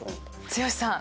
剛さん